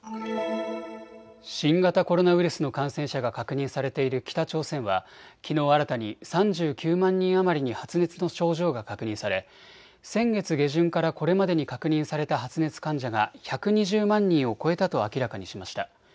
新型コロナウイルスの感染者が確認されている北朝鮮はきのう新たに３９万人余りに発熱の症状が確認され先月下旬からこれまでに確認された発熱患者が１２０万人を超えたと明らかにしました。